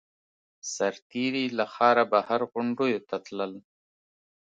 سرتېري له ښاره بهر غونډیو ته تلل.